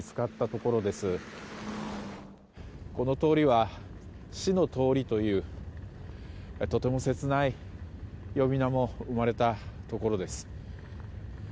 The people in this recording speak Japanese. この通りは死の通りというとても切ない呼び名も生まれたところです。